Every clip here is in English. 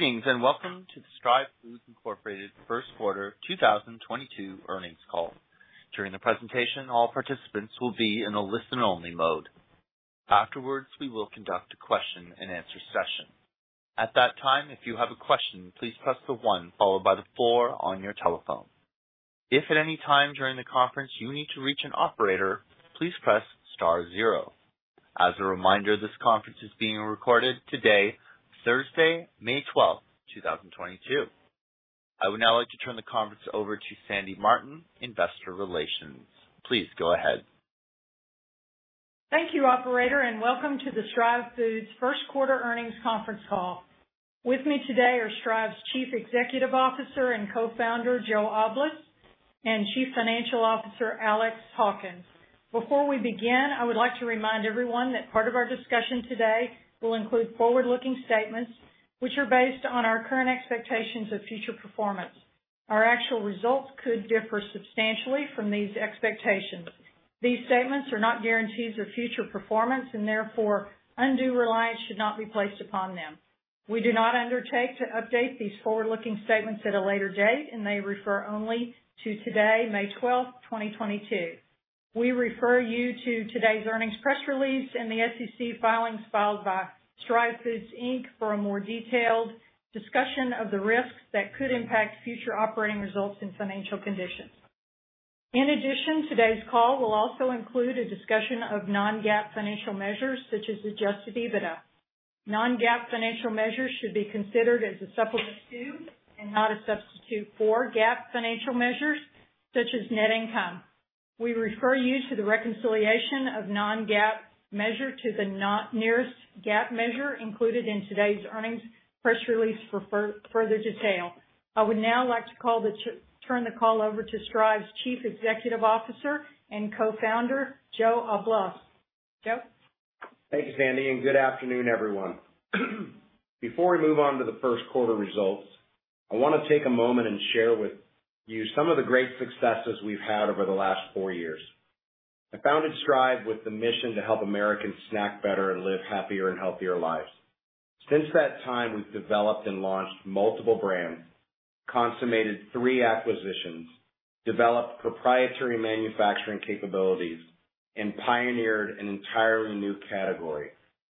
Good evening, and welcome to the Stryve Foods, Inc. First quarter 2022 earnings call. During the presentation, all participants will be in a listen-only mode. Afterwards, we will conduct a question-and-answer session. At that time, if you have a question, please press the one followed by the four on your telephone. If at any time during the conference you need to reach an operator, please press star zero. As a reminder, this conference is being recorded today, Thursday, May 12th, 2022. I would now like to turn the conference over to Sandy Martin, Investor Relations. Please go ahead. Thank you, operator, and welcome to the Stryve Foods first quarter earnings conference call. With me today are Stryve's Chief Executive Officer and Co-Founder, Joe Oblas, and Chief Financial Officer, Alex Hawkins. Before we begin, I would like to remind everyone that part of our discussion today will include forward-looking statements which are based on our current expectations of future performance. Our actual results could differ substantially from these expectations. These statements are not guarantees of future performance and therefore undue reliance should not be placed upon them. We do not undertake to update these forward-looking statements at a later date, and they refer only to today, May 12th, 2022. We refer you to today's earnings press release and the SEC filings filed by Stryve Foods, Inc. for a more detailed discussion of the risks that could impact future operating results and financial conditions. In addition, today's call will also include a discussion of non-GAAP financial measures such as adjusted EBITDA. Non-GAAP financial measures should be considered as a supplement to, and not a substitute for, GAAP financial measures such as net income. We refer you to the reconciliation of non-GAAP measure to the nearest GAAP measure included in today's earnings press release for further detail. I would now like to turn the call over to Stryve's Chief Executive Officer and Co-founder, Joe Oblas. Joe? Thank you, Sandy, and good afternoon, everyone. Before we move on to the first quarter results, I wanna take a moment and share with you some of the great successes we've had over the last four years. I founded Stryve with the mission to help Americans snack better and live happier and healthier lives. Since that time, we've developed and launched multiple brands, consummated three acquisitions, developed proprietary manufacturing capabilities, and pioneered an entirely new category,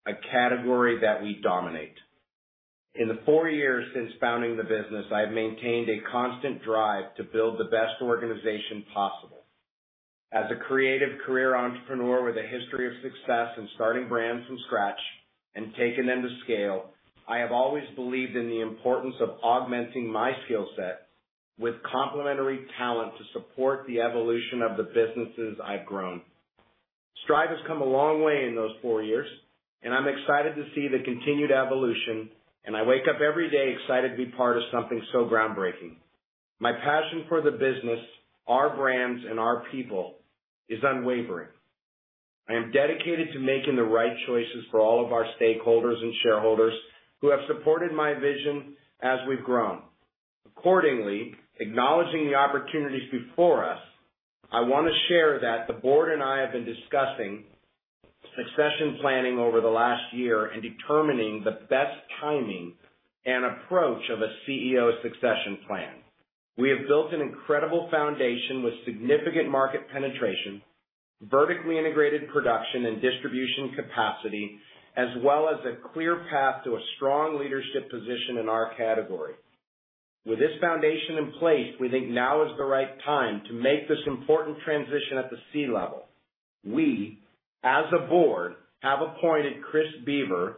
a category that we dominate. In the four years since founding the business, I've maintained a constant drive to build the best organization possible. As a creative career entrepreneur with a history of success in starting brands from scratch and taking them to scale, I have always believed in the importance of augmenting my skill set with complementary talent to support the evolution of the businesses I've grown. Stryve has come a long way in those four years, and I'm excited to see the continued evolution, and I wake up every day excited to be part of something so groundbreaking. My passion for the business, our brands, and our people is unwavering. I am dedicated to making the right choices for all of our stakeholders and shareholders who have supported my vision as we've grown. Accordingly, acknowledging the opportunities before us, I wanna share that the board and I have been discussing succession planning over the last year and determining the best timing and approach of a CEO succession plan. We have built an incredible foundation with significant market penetration, vertically integrated production and distribution capacity, as well as a clear path to a strong leadership position in our category. With this foundation in place, we think now is the right time to make this important transition at the C level. We, as a board, have appointed Chris Boever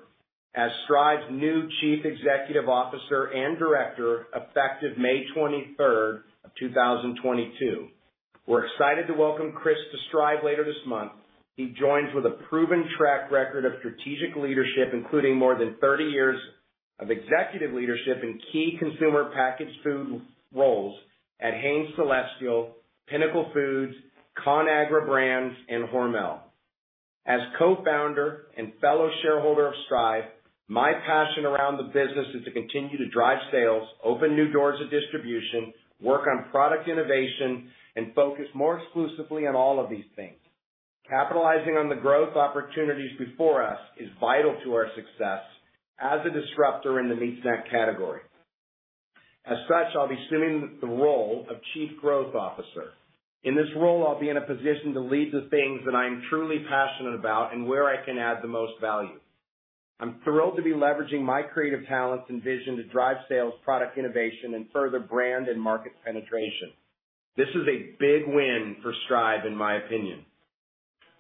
as Stryve's new Chief Executive Officer and Director effective May 23rd, 2022. We're excited to welcome Chris to Stryve later this month. He joins with a proven track record of strategic leadership, including more than 30 years of executive leadership in key consumer packaged food roles at Hain Celestial, Pinnacle Foods, Conagra Brands, and Hormel. As co-founder and fellow shareholder of Stryve, my passion around the business is to continue to drive sales, open new doors of distribution, work on product innovation, and focus more exclusively on all of these things. Capitalizing on the growth opportunities before us is vital to our success as a disruptor in the meat snack category. As such, I'll be assuming the role of Chief Growth Officer. In this role, I'll be in a position to lead the things that I am truly passionate about and where I can add the most value. I'm thrilled to be leveraging my creative talents and vision to drive sales, product innovation, and further brand and market penetration. This is a big win for Stryve in my opinion.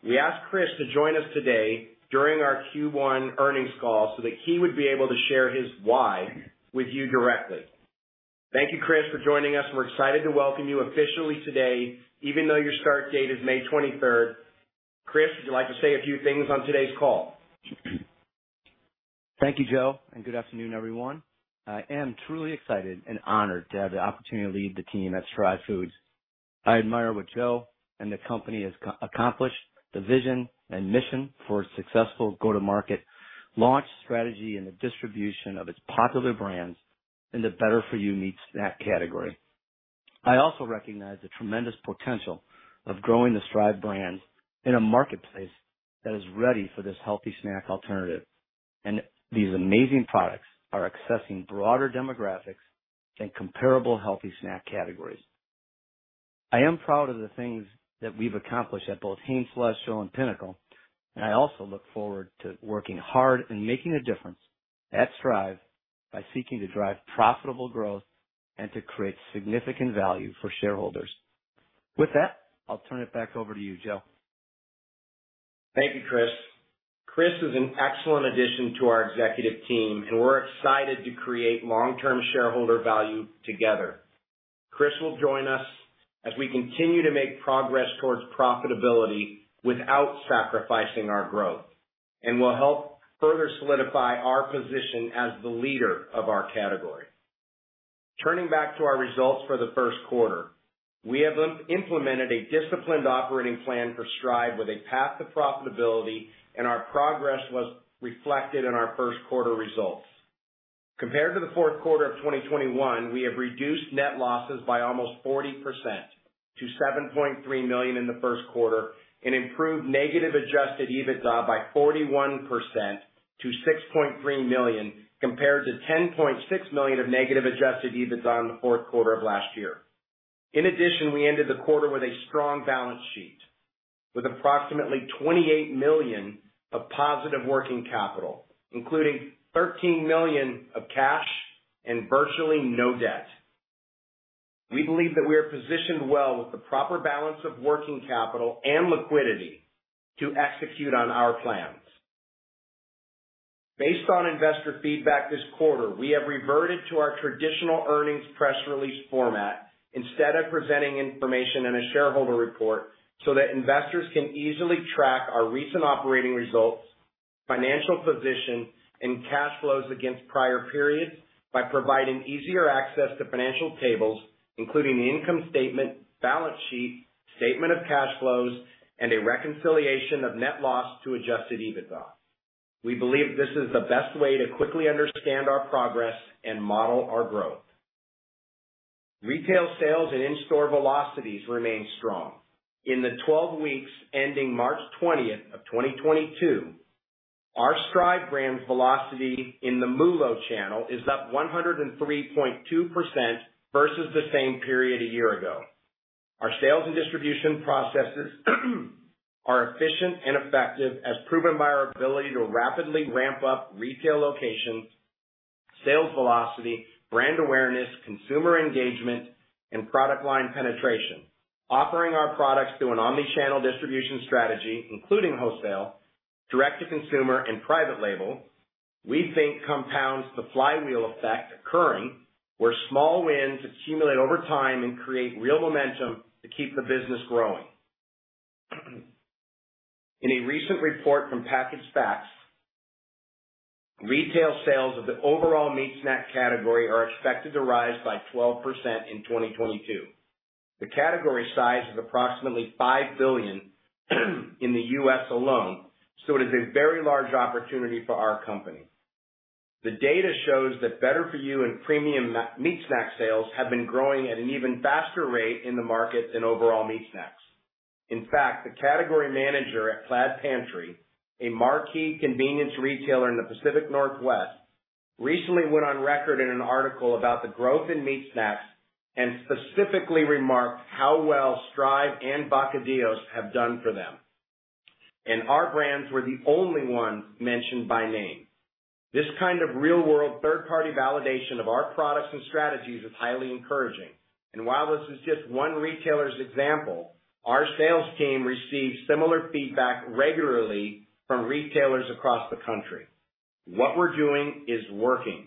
We asked Chris to join us today during our Q1 earnings call so that he would be able to share his why with you directly. Thank you, Chris, for joining us. We're excited to welcome you officially today, even though your start date is May 23rd. Chris, would you like to say a few things on today's call? Thank you, Joe, and good afternoon, everyone. I am truly excited and honored to have the opportunity to lead the team at Stryve Foods. I admire what Joe and the company has accomplished, the vision and mission for a successful go-to-market launch strategy and the distribution of its popular brands in the better for you meat snack category. I also recognize the tremendous potential of growing the Stryve brand in a marketplace that is ready for this healthy snack alternative. These amazing products are accessing broader demographics and comparable healthy snack categories. I am proud of the things that we've accomplished at both Hain Celestial and Pinnacle, and I also look forward to working hard and making a difference at Stryve by seeking to drive profitable growth and to create significant value for shareholders. With that, I'll turn it back over to you, Joe. Thank you, Chris. Chris is an excellent addition to our executive team, and we're excited to create long-term shareholder value together. Chris will join us as we continue to make progress towards profitability without sacrificing our growth, and will help further solidify our position as the leader of our category. Turning back to our results for the first quarter, we have implemented a disciplined operating plan for Stryve with a path to profitability, and our progress was reflected in our first quarter results. Compared to the fourth quarter of 2021, we have reduced net losses by almost 40% to $7.3 million in the first quarter, and improved negative adjusted EBITDA by 41% to $6.3 million, compared to $10.6 million of negative adjusted EBITDA in the fourth quarter of last year. In addition, we ended the quarter with a strong balance sheet, with approximately $28 million of positive working capital, including $13 million of cash and virtually no debt. We believe that we are positioned well with the proper balance of working capital and liquidity to execute on our plans. Based on investor feedback this quarter, we have reverted to our traditional earnings press release format instead of presenting information in a shareholder report so that investors can easily track our recent operating results, financial position, and cash flows against prior periods by providing easier access to financial tables, including the income statement, balance sheet, statement of cash flows, and a reconciliation of net loss to adjusted EBITDA. We believe this is the best way to quickly understand our progress and model our growth. Retail sales and in-store velocities remain strong. In the 12 weeks ending March 20th of 2022, our Stryve brand's velocity in the MULO channel is up 103.2% versus the same period a year ago. Our sales and distribution processes are efficient and effective, as proven by our ability to rapidly ramp up retail locations, sales velocity, brand awareness, consumer engagement, and product line penetration. Offering our products through an omni-channel distribution strategy, including wholesale, direct-to-consumer, and private label, we think compounds the flywheel effect occurring, where small wins accumulate over time and create real momentum to keep the business growing. In a recent report from Packaged Facts, retail sales of the overall meat snack category are expected to rise by 12% in 2022. The category size is approximately $5 billion in the U.S., alone, so it is a very large opportunity for our company. The data shows that better-for-you and premium meat snack sales have been growing at an even faster rate in the market than overall meat snacks. In fact, the category manager at Plaid Pantry, a marquee convenience retailer in the Pacific Northwest, recently went on record in an article about the growth in meat snacks and specifically remarked how well Stryve and Vacadillos have done for them. Our brands were the only ones mentioned by name. This kind of real-world third-party validation of our products and strategies is highly encouraging. While this is just one retailer's example, our sales team receives similar feedback regularly from retailers across the country. What we're doing is working.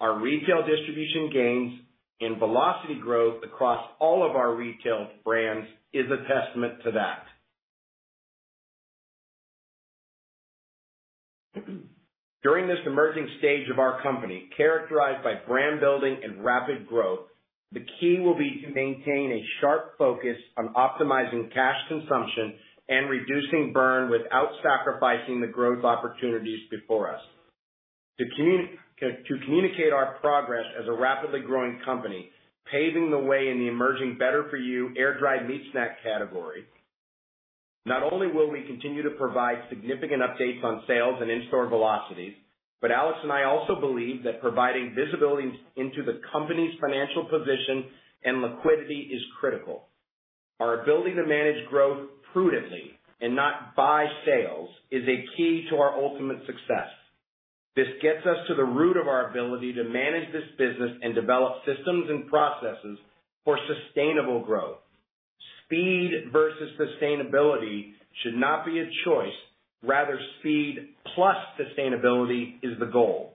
Our retail distribution gains and velocity growth across all of our retail brands is a testament to that. During this emerging stage of our company, characterized by brand building and rapid growth, the key will be to maintain a sharp focus on optimizing cash consumption and reducing burn without sacrificing the growth opportunities before us. To communicate our progress as a rapidly growing company, paving the way in the emerging better-for-you air-dried meat snack category, not only will we continue to provide significant updates on sales and in-store velocities, but Alex and I also believe that providing visibility into the company's financial position and liquidity is critical. Our ability to manage growth prudently and not buy sales is a key to our ultimate success. This gets us to the root of our ability to manage this business and develop systems and processes for sustainable growth. Speed versus sustainability should not be a choice. Rather, speed plus sustainability is the goal.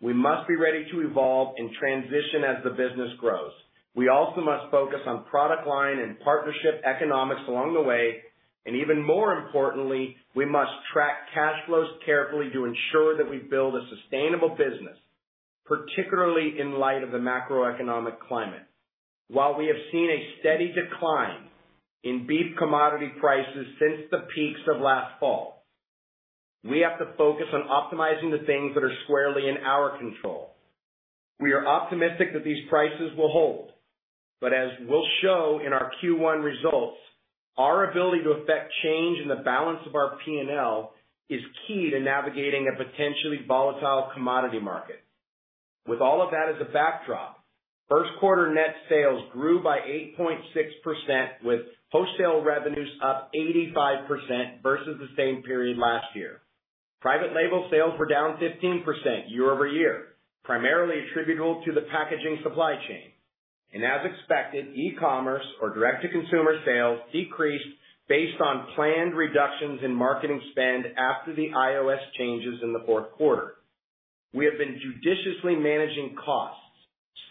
We must be ready to evolve and transition as the business grows. We also must focus on product line and partnership economics along the way, and even more importantly, we must track cash flows carefully to ensure that we build a sustainable business, particularly in light of the macroeconomic climate. While we have seen a steady decline in beef commodity prices since the peaks of last fall. We have to focus on optimizing the things that are squarely in our control. We are optimistic that these prices will hold, but as we'll show in our Q1 results, our ability to affect change in the balance of our P&L is key to navigating a potentially volatile commodity market. With all of that as a backdrop, first quarter net sales grew by 8.6%, with wholesale revenues up 85% versus the same period last year. Private label sales were down 15% year-over-year, primarily attributable to the packaging supply chain. As expected, e-commerce or direct-to-consumer sales decreased based on planned reductions in marketing spend after the iOS changes in the fourth quarter. We have been judiciously managing costs,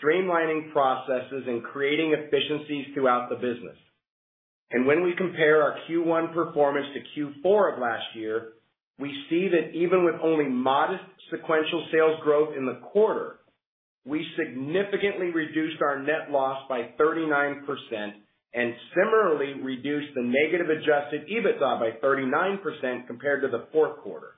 streamlining processes, and creating efficiencies throughout the business. When we compare our Q1 performance to Q4 of last year, we see that even with only modest sequential sales growth in the quarter, we significantly reduced our net loss by 39% and similarly reduced the negative adjusted EBITDA by 39% compared to the fourth quarter.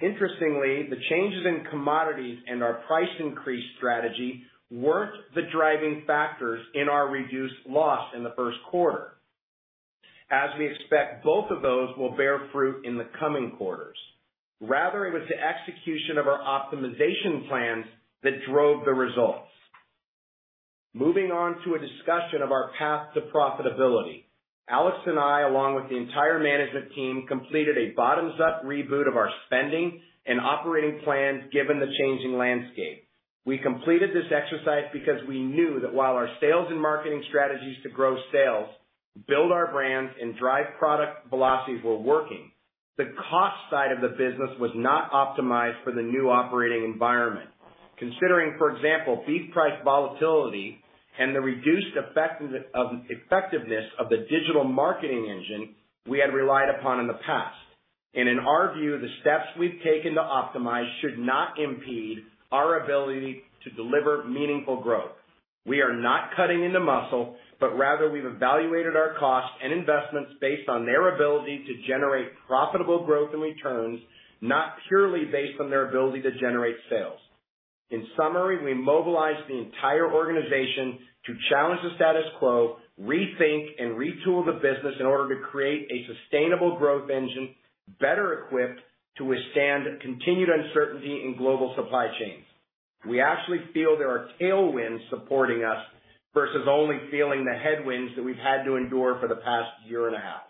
Interestingly, the changes in commodities and our price increase strategy weren't the driving factors in our reduced loss in the first quarter. As we expect, both of those will bear fruit in the coming quarters. Rather, it was the execution of our optimization plans that drove the results. Moving on to a discussion of our path to profitability. Alex and I, along with the entire management team, completed a bottoms-up reboot of our spending and operating plans given the changing landscape. We completed this exercise because we knew that while our sales and marketing strategies to grow sales, build our brands, and drive product velocities were working, the cost side of the business was not optimized for the new operating environment. Considering, for example, beef price volatility and the reduced effectiveness of the digital marketing engine we had relied upon in the past. In our view, the steps we've taken to optimize should not impede our ability to deliver meaningful growth. We are not cutting into muscle, but rather we've evaluated our costs and investments based on their ability to generate profitable growth and returns, not purely based on their ability to generate sales. In summary, we mobilized the entire organization to challenge the status quo, rethink, and retool the business in order to create a sustainable growth engine better equipped to withstand continued uncertainty in global supply chains. We actually feel there are tailwinds supporting us versus only feeling the headwinds that we've had to endure for the past year and a half.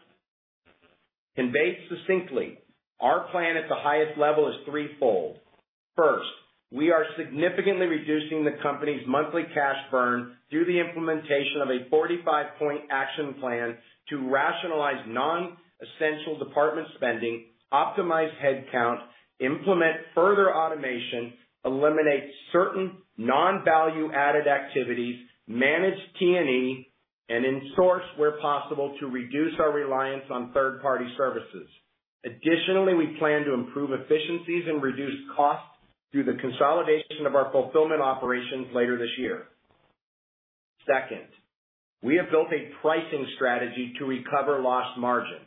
Conveyed succinctly, our plan at the highest level is threefold. First, we are significantly reducing the company's monthly cash burn through the implementation of a 45-point action plan to rationalize non-essential department spending, optimize headcount, implement further automation, eliminate certain non-value-added activities, manage T&E, and insource where possible to reduce our reliance on third-party services. Additionally, we plan to improve efficiencies and reduce costs through the consolidation of our fulfillment operations later this year. Second, we have built a pricing strategy to recover lost margin.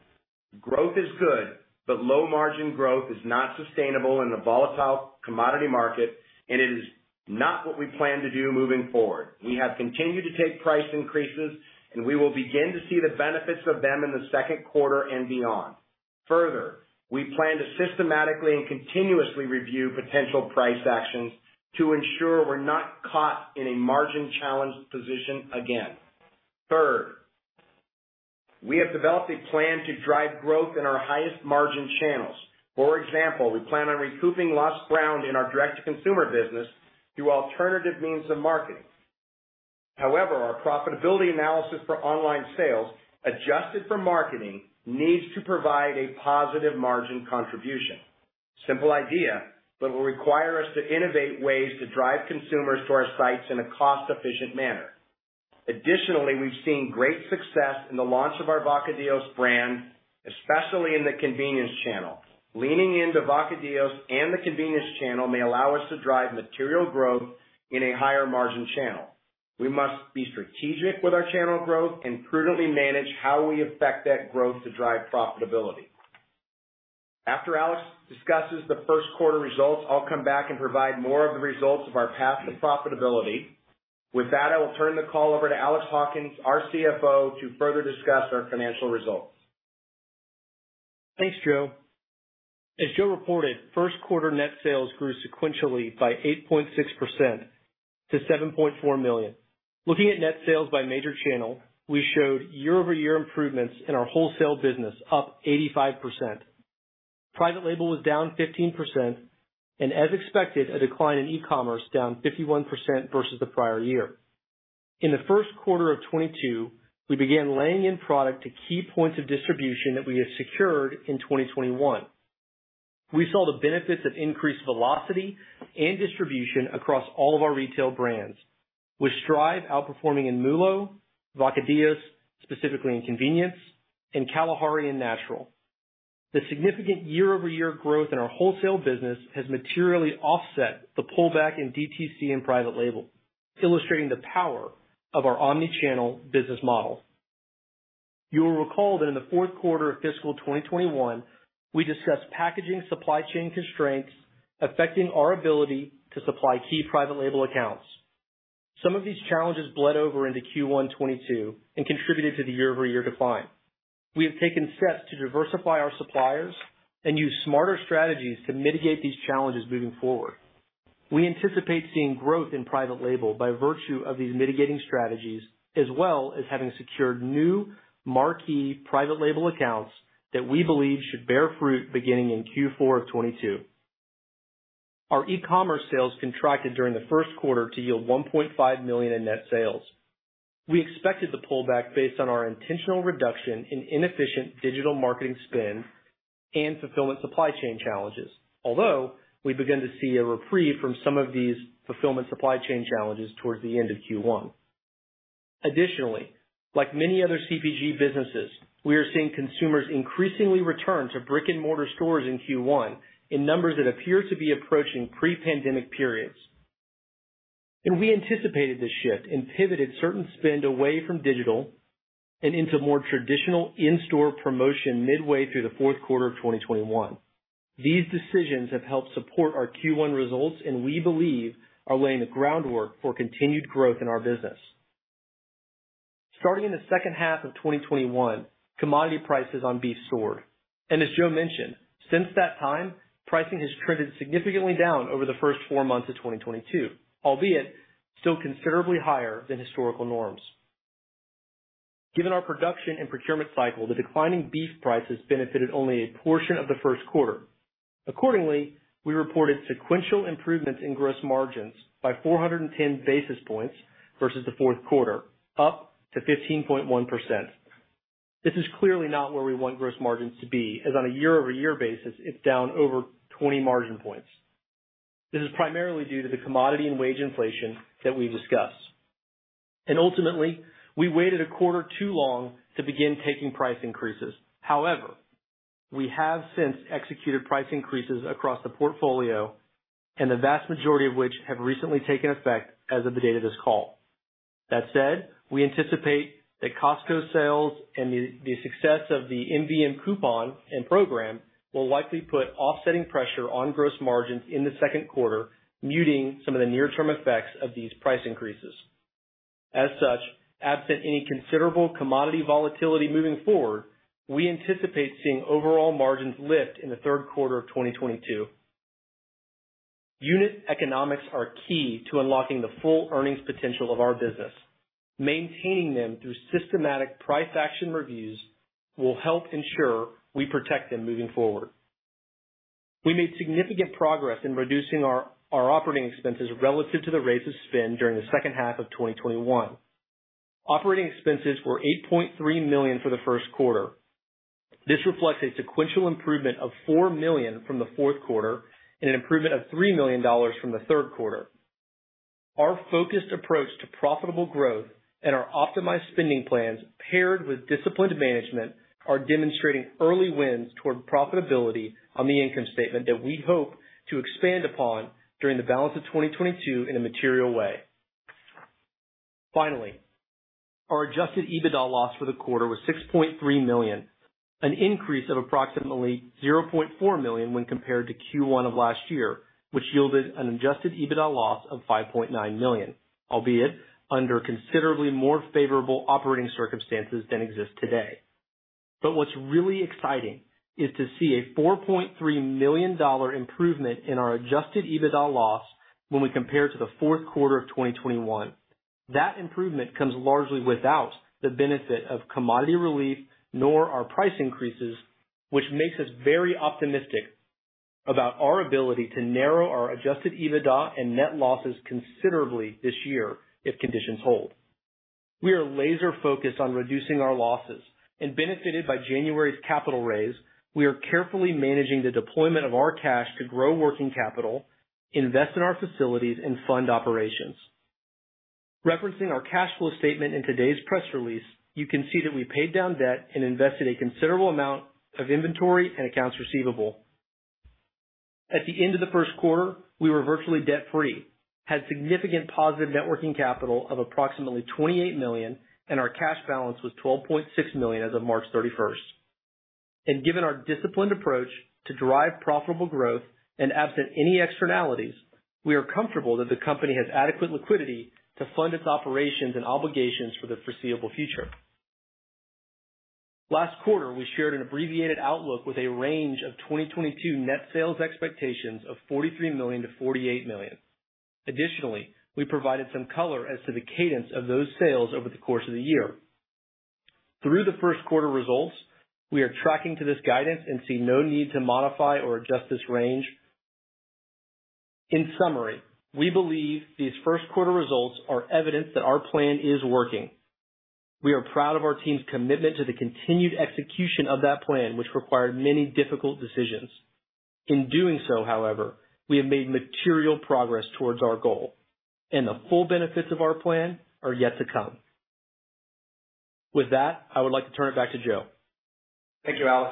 Growth is good, but low margin growth is not sustainable in a volatile commodity market, and it is not what we plan to do moving forward. We have continued to take price increases, and we will begin to see the benefits of them in the second quarter and beyond. Further, we plan to systematically and continuously review potential price actions to ensure we're not caught in a margin-challenged position again. Third, we have developed a plan to drive growth in our highest margin channels. For example, we plan on recouping lost ground in our direct-to-consumer business through alternative means of marketing. However, our profitability analysis for online sales, adjusted for marketing, needs to provide a positive margin contribution. Simple idea, but will require us to innovate ways to drive consumers to our sites in a cost-efficient manner. Additionally, we've seen great success in the launch of our Vacadillos brand, especially in the convenience channel. Leaning into Vacadillos and the convenience channel may allow us to drive material growth in a higher margin channel. We must be strategic with our channel growth and prudently manage how we affect that growth to drive profitability. After Alex discusses the first quarter results, I'll come back and provide more of the results of our path to profitability. With that, I will turn the call over to Alex Hawkins, our CFO, to further discuss our financial results. Thanks, Joe. As Joe reported, first quarter net sales grew sequentially by 8.6% to $7.4 million. Looking at net sales by major channel, we showed year-over-year improvements in our wholesale business up 85%. Private label was down 15%. As expected, a decline in e-commerce down 51% versus the prior year. In the first quarter of 2022, we began laying in product to key points of distribution that we had secured in 2021. We saw the benefits of increased velocity and distribution across all of our retail brands. With Stryve outperforming in MULO, Vacadillos, specifically in convenience, and Kalahari in natural. The significant year-over-year growth in our wholesale business has materially offset the pullback in DTC and private label, illustrating the power of our omni-channel business model. You will recall that in the fourth quarter of fiscal 2021, we discussed packaging supply chain constraints affecting our ability to supply key private label accounts. Some of these challenges bled over into Q1 2022 and contributed to the year-over-year decline. We have taken steps to diversify our suppliers and use smarter strategies to mitigate these challenges moving forward. We anticipate seeing growth in private label by virtue of these mitigating strategies, as well as having secured new marquee private label accounts that we believe should bear fruit beginning in Q4 of 2022. Our e-commerce sales contracted during the first quarter to yield $1.5 million in net sales. We expected the pullback based on our intentional reduction in inefficient digital marketing spend and fulfillment supply chain challenges. Although we began to see a reprieve from some of these fulfillment supply chain challenges towards the end of Q1. Additionally, like many other CPG businesses, we are seeing consumers increasingly return to brick-and-mortar stores in Q1 in numbers that appear to be approaching pre-pandemic periods. We anticipated this shift and pivoted certain spend away from digital and into more traditional in-store promotion midway through the fourth quarter of 2021. These decisions have helped support our Q1 results and we believe are laying the groundwork for continued growth in our business. Starting in the second half of 2021, commodity prices on beef soared. As Joe mentioned, since that time, pricing has trended significantly down over the first four months of 2022, albeit still considerably higher than historical norms. Given our production and procurement cycle, the declining beef prices benefited only a portion of the first quarter. Accordingly, we reported sequential improvements in gross margins by 410 basis points versus the fourth quarter, up to 15.1%. This is clearly not where we want gross margins to be, as on a year-over-year basis, it's down over 20 margin points. This is primarily due to the commodity and wage inflation that we've discussed. Ultimately, we waited a quarter too long to begin taking price increases. However, we have since executed price increases across the portfolio and the vast majority of which have recently taken effect as of the date of this call. That said, we anticipate that Costco sales and the success of the MVM coupon and program will likely put offsetting pressure on gross margins in the second quarter, muting some of the near term effects of these price increases. As such, absent any considerable commodity volatility moving forward, we anticipate seeing overall margins lift in the third quarter of 2022. Unit economics are key to unlocking the full earnings potential of our business. Maintaining them through systematic price action reviews will help ensure we protect them moving forward. We made significant progress in reducing our operating expenses relative to the rate of spend during the second half of 2021. Operating expenses were $8.3 million for the first quarter. This reflects a sequential improvement of $4 million from the fourth quarter and an improvement of $3 million from the third quarter. Our focused approach to profitable growth and our optimized spending plans paired with disciplined management are demonstrating early wins toward profitability on the income statement that we hope to expand upon during the balance of 2022 in a material way. Finally, our adjusted EBITDA loss for the quarter was $6.3 million, an increase of approximately $0.4 million when compared to Q1 of last year, which yielded an adjusted EBITDA loss of $5.9 million, albeit under considerably more favorable operating circumstances than exist today. What's really exciting is to see a $4.3 million improvement in our adjusted EBITDA loss when we compare to the fourth quarter of 2021. That improvement comes largely without the benefit of commodity relief nor our price increases, which makes us very optimistic about our ability to narrow our adjusted EBITDA and net losses considerably this year if conditions hold. We are laser-focused on reducing our losses and benefited by January's capital raise. We are carefully managing the deployment of our cash to grow working capital, invest in our facilities and fund operations. Referencing our cash flow statement in today's press release, you can see that we paid down debt and invested a considerable amount of inventory and accounts receivable. At the end of the first quarter, we were virtually debt free, had significant positive net working capital of approximately $28 million, and our cash balance was $12.6 million as of March 31st. Given our disciplined approach to derive profitable growth and absent any externalities, we are comfortable that the company has adequate liquidity to fund its operations and obligations for the foreseeable future. Last quarter, we shared an abbreviated outlook with a range of 2022 net sales expectations of $43 million-$48 million. Additionally, we provided some color as to the cadence of those sales over the course of the year. Through the first quarter results, we are tracking to this guidance and see no need to modify or adjust this range. In summary, we believe these first quarter results are evidence that our plan is working. We are proud of our team's commitment to the continued execution of that plan which required many difficult decisions. In doing so, however, we have made material progress towards our goal, and the full benefits of our plan are yet to come. With that, I would like to turn it back to Joe. Thank you, Alex.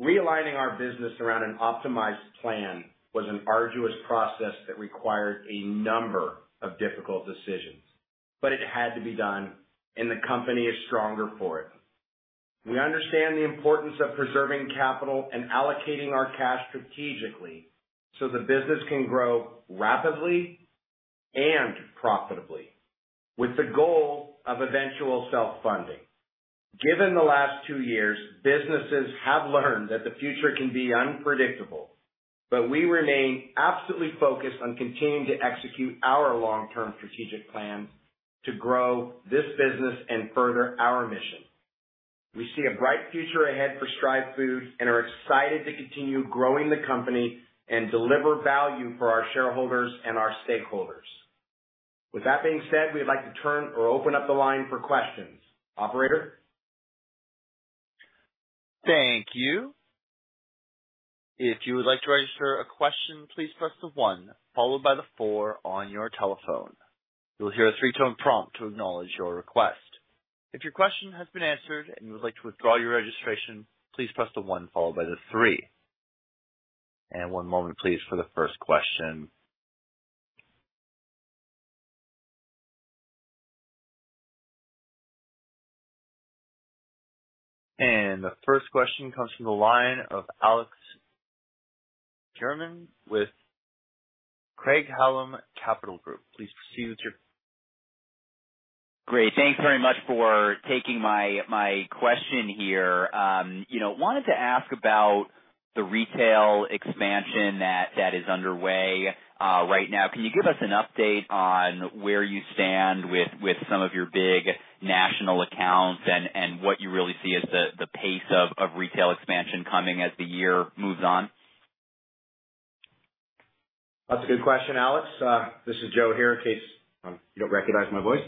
Realigning our business around an optimized plan was an arduous process that required a number of difficult decisions, but it had to be done, and the company is stronger for it. We understand the importance of preserving capital and allocating our cash strategically so the business can grow rapidly and profitably with the goal of eventual self-funding. Given the last two years, businesses have learned that the future can be unpredictable, but we remain absolutely focused on continuing to execute our long-term strategic plans to grow this business and further our mission. We see a bright future ahead for Stryve Foods and are excited to continue growing the company and deliver value for our shareholders and our stakeholders. With that being said, we'd like to turn or open up the line for questions. Operator? Thank you. If you would like to register a question, please press the one followed by the four on your telephone. You'll hear a three-tone prompt to acknowledge your request. If your question has been answered and you would like to withdraw your registration, please press the one followed by the three. One moment, please, for the first question. The first question comes from the line of Alex Fuhrman with Craig-Hallum Capital Group. Please proceed with your question. Great. Thanks very much for taking my question here. You know, wanted to ask about the retail expansion that is underway right now. Can you give us an update on where you stand with some of your big national accounts and what you really see as the pace of retail expansion coming as the year moves on? That's a good question, Alex. This is Joe here, in case you don't recognize my voice.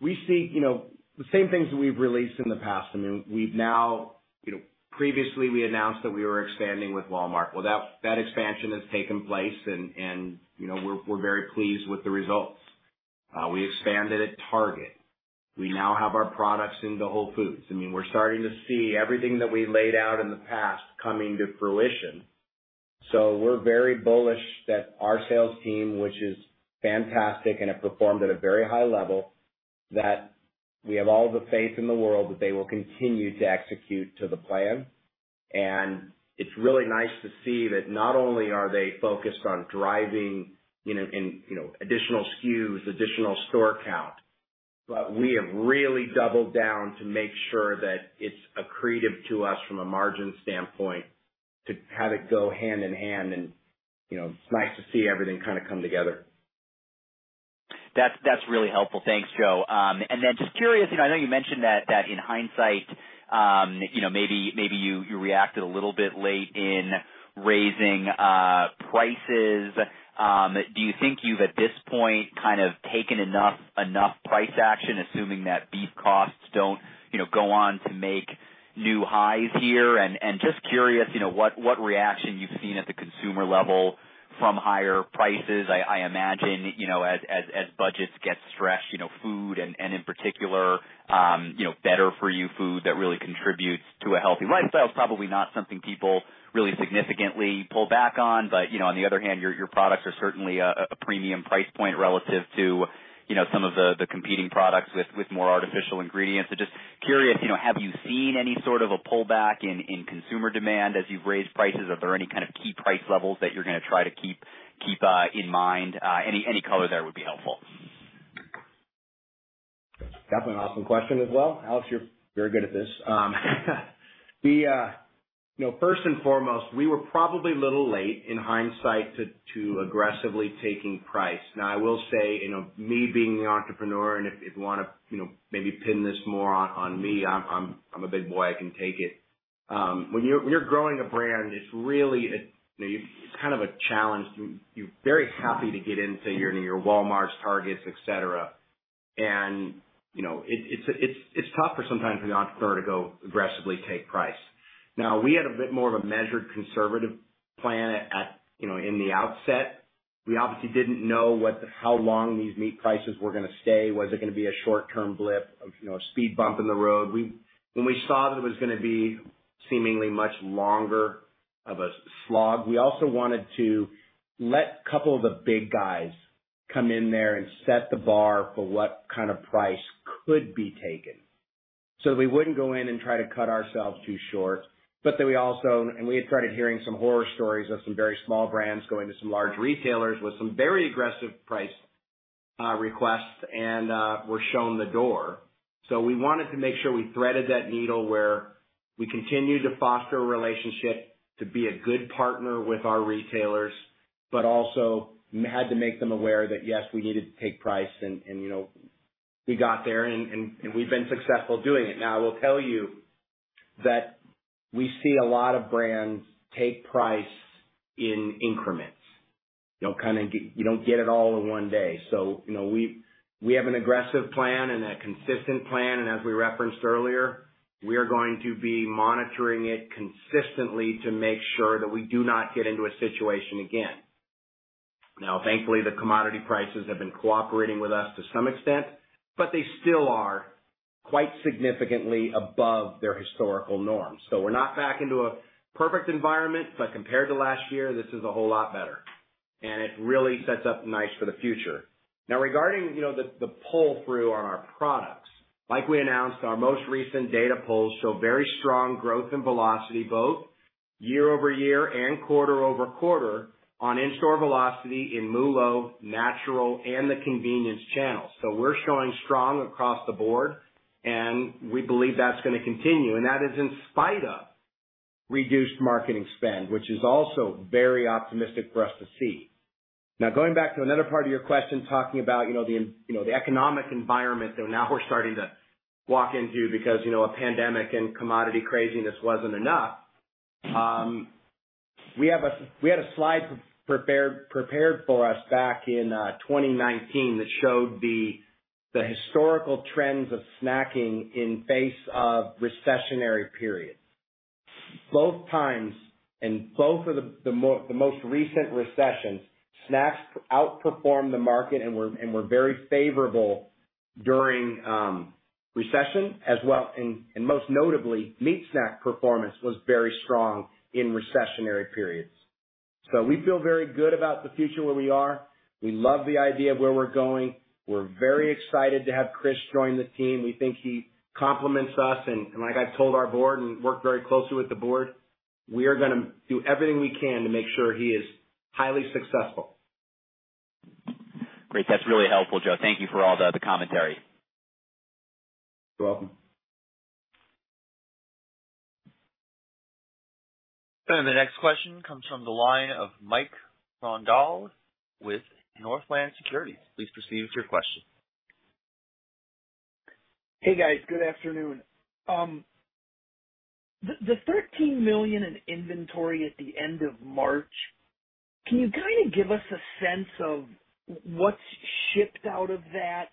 We see, you know, the same things that we've released in the past. I mean, we've now. You know, previously we announced that we were expanding with Walmart. Well, that expansion has taken place and, you know, we're very pleased with the results. We expanded at Target. We now have our products into Whole Foods. I mean, we're starting to see everything that we laid out in the past coming to fruition. We're very bullish that our sales team, which is fantastic and have performed at a very high level, that we have all the faith in the world that they will continue to execute to the plan. It's really nice to see that not only are they focused on driving, you know, additional SKUs, additional store count, but we have really doubled down to make sure that it's accretive to us from a margin standpoint to have it go hand in hand. You know, it's nice to see everything kind of come together. That's really helpful. Thanks, Joe. Then just curious, you know, I know you mentioned that in hindsight, you know, maybe you reacted a little bit late in raising prices. Do you think you've at this point kind of taken enough price action, assuming that beef costs don't, you know, go on to make new highs here? Just curious, you know, what reaction you've seen at the consumer level from higher prices. I imagine, you know, as budgets get stretched, you know, food and in particular, you know, better for you food that really contributes to a healthy lifestyle is probably not something people really significantly pull back on. You know, on the other hand, your products are certainly a premium price point relative to, you know, some of the competing products with more artificial ingredients. Just curious, you know, have you seen any sort of a pullback in consumer demand as you've raised prices? Are there any kind of key price levels that you're gonna try to keep in mind? Any color there would be helpful. That's an awesome question as well. Alex, you're very good at this. We, you know, first and foremost, were probably a little late in hindsight to aggressively taking price. Now, I will say, you know, me being the entrepreneur, and if you wanna, you know, maybe pin this more on me, I'm a big boy, I can take it. When you're growing a brand, it's really a, you know, it's kind of a challenge. You're very happy to get into your Walmarts, Targets, et cetera. You know, it's tough sometimes for the entrepreneur to go aggressively take price. Now, we had a bit more of a measured conservative plan, you know, in the outset. We obviously didn't know how long these meat prices were gonna stay. Was it gonna be a short-term blip of, you know, a speed bump in the road? When we saw that it was gonna be seemingly much longer of a slog, we also wanted to let couple of the big guys come in there and set the bar for what kind of price could be taken. We wouldn't go in and try to cut ourselves too short. We had started hearing some horror stories of some very small brands going to some large retailers with some very aggressive price requests and were shown the door. We wanted to make sure we threaded that needle where we continued to foster a relationship to be a good partner with our retailers, but also had to make them aware that, yes, we needed to take price and, you know, we got there and we've been successful doing it. Now, I will tell you that we see a lot of brands take price in increments. You know, you don't get it all in one day. You know, we have an aggressive plan and a consistent plan, and as we referenced earlier, we are going to be monitoring it consistently to make sure that we do not get into a situation again. Now, thankfully, the commodity prices have been cooperating with us to some extent, but they still are quite significantly above their historical norms. We're not back into a perfect environment, but compared to last year, this is a whole lot better, and it really sets up nice for the future. Now, regarding, you know, the pull-through on our products, like we announced, our most recent data polls show very strong growth in velocity, both year-over-year and quarter-over-quarter on in-store velocity in MULO, natural, and the convenience channels. We're showing strong across the board, and we believe that's gonna continue, and that is in spite of reduced marketing spend, which is also very optimistic for us to see. Now, going back to another part of your question, talking about, you know, the economic environment that now we're starting to walk into because, you know, a pandemic and commodity craziness wasn't enough. We had a slide prepared for us back in 2019 that showed the historical trends of snacking in the face of recessionary periods. Both times, both of the most recent recessions, snacks outperformed the market and were very favorable during recession as well. Most notably, meat snack performance was very strong in recessionary periods. We feel very good about the future where we are. We love the idea of where we're going. We're very excited to have Chris join the team. We think he complements us, and like I've told our board and worked very closely with the board, we are gonna do everything we can to make sure he is highly successful. Great. That's really helpful, Joe. Thank you for all the commentary. You're welcome. The next question comes from the line of Mike Grondahl with Northland Securities. Please proceed with your question. Hey, guys. Good afternoon. The $13 million in inventory at the end of March, can you kinda give us a sense of what's shipped out of that?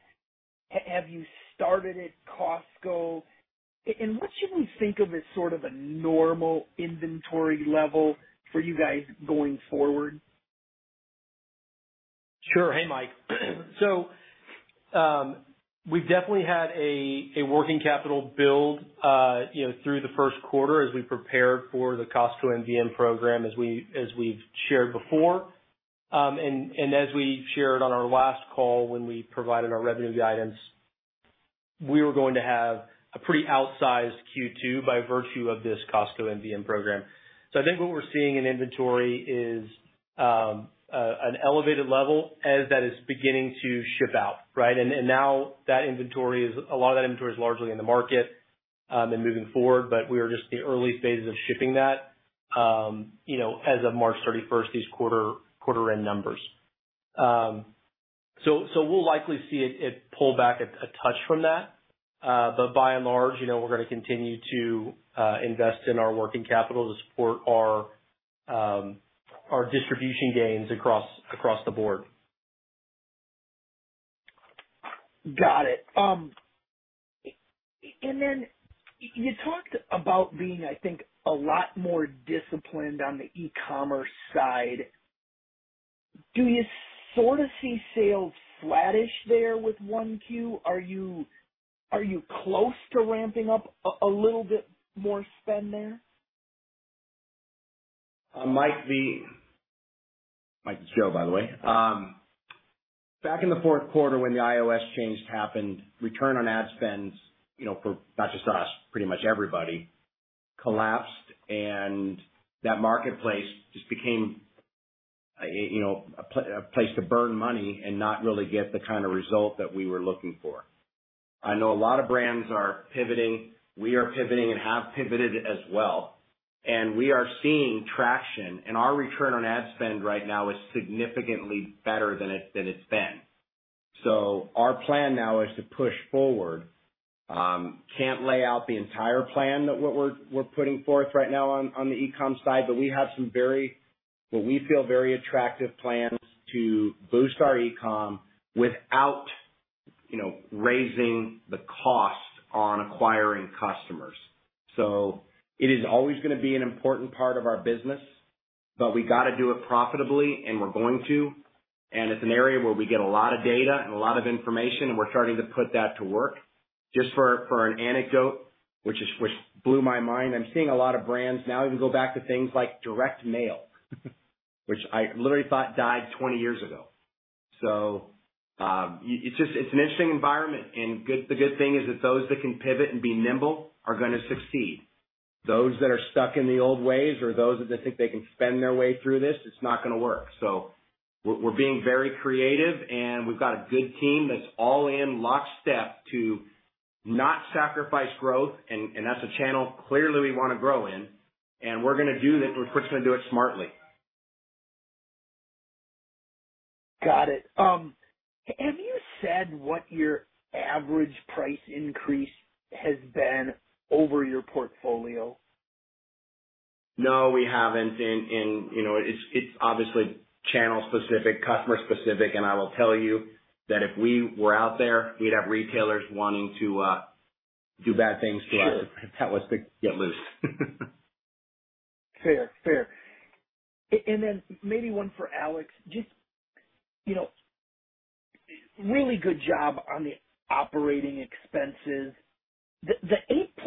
Have you started at Costco? And what should we think of as sort of a normal inventory level for you guys going forward? Sure. Hey, Mike. We've definitely had a working capital build, you know, through the first quarter as we prepared for the Costco MVM program, as we've shared before. As we shared on our last call when we provided our revenue guidance, we were going to have a pretty outsized Q2 by virtue of this Costco MVM program. I think what we're seeing in inventory is an elevated level as that is beginning to ship out, right? Now that inventory is a lot of that inventory is largely in the market and moving forward, but we are just in the early stages of shipping that, you know, as of March 31st, quarter-end numbers. We'll likely see it pull back a touch from that. By and large, you know, we're gonna continue to invest in our working capital to support our distribution gains across the board. Got it. You talked about being, I think, a lot more disciplined on the e-commerce side. Do you sort of see sales flattish there with 1Q? Are you close to ramping up a little bit more spend there? Mike, it's Joe, by the way. Back in the fourth quarter when the iOS change happened, return on ad spends, you know, for not just us, pretty much everybody, collapsed. That marketplace just became, you know, a place to burn money and not really get the kind of result that we were looking for. I know a lot of brands are pivoting. We are pivoting and have pivoted as well, and we are seeing traction, and our return on ad spend right now is significantly better than it's been. Our plan now is to push forward. Can't lay out the entire plan that we're putting forth right now on the e-com side, but we have some very, what we feel, very attractive plans to boost our e-com without, you know, raising the cost on acquiring customers. It is always gonna be an important part of our business, but we gotta do it profitably, and we're going to. It's an area where we get a lot of data and a lot of information, and we're starting to put that to work. Just for an anecdote, which blew my mind. I'm seeing a lot of brands now even go back to things like direct mail which I literally thought died 20 years ago. It's just an interesting environment. The good thing is that those that can pivot and be nimble are gonna succeed. Those that are stuck in the old ways or those that think they can spend their way through this, it's not gonna work. We're being very creative, and we've got a good team that's all in lockstep to not sacrifice growth. That's a channel clearly we wanna grow in, and we're gonna do that. We're just gonna do it smartly. Got it. Have you said what your average price increase has been over your portfolio? No, we haven't. You know, it's obviously channel specific, customer specific. I will tell you that if we were out there, we'd have retailers wanting to do bad things to us. Sure. If that was to get loose. Fair. Maybe one for Alex. Just, you know, really good job on the operating expenses. The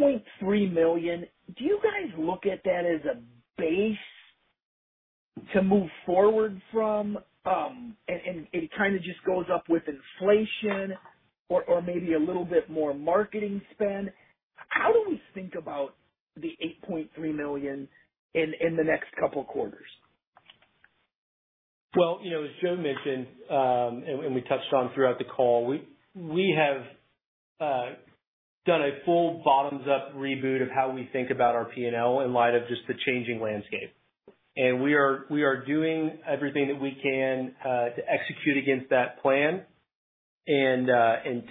$8.3 million, do you guys look at that as a base to move forward from? It kind of just goes up with inflation or maybe a little bit more marketing spend. How do we think about the $8.3 million in the next couple quarters? Well, you know, as Joe mentioned, and we touched on throughout the call, we have done a full bottoms up reboot of how we think about our P&L in light of just the changing landscape. We are doing everything that we can to execute against that plan and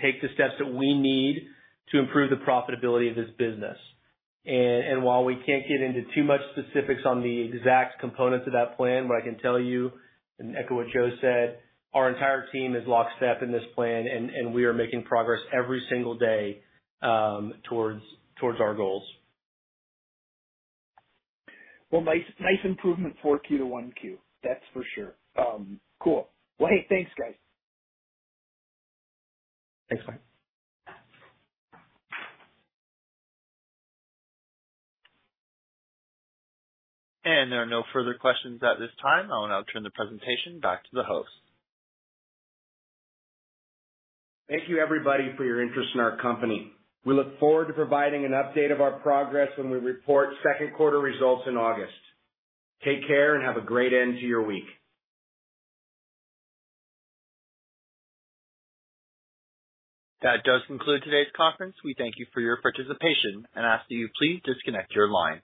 take the steps that we need to improve the profitability of this business. While we can't get into too many specifics on the exact components of that plan, what I can tell you, and echo what Joe said, our entire team is lockstep in this plan, and we are making progress every single day towards our goals. Well, nice improvement 4Q to 1Q. That's for sure. Cool. Well, hey, thanks, guys. Thanks, Mike. There are no further questions at this time. I will now turn the presentation back to the host. Thank you, everybody, for your interest in our company. We look forward to providing an update of our progress when we report second quarter results in August. Take care and have a great end to your week. That does conclude today's conference. We thank you for your participation and ask that you please disconnect your line.